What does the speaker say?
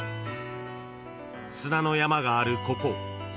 ［砂の山があるここ］